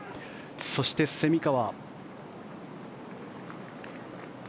そして、蝉川。